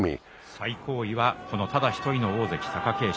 最高位はこのただ一人の大関・貴景勝。